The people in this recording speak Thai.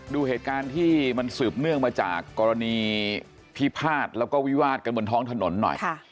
ดูเหตุการณ์ที่มันสืบเนื่องมาจากกรณีพิพาทแล้วก็วิวาดกันบนท้องถนนหน่อย